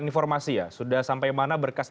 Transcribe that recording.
informasi ya sudah sampai mana berkas